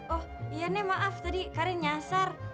oh iya nih maaf tadi karin nyasar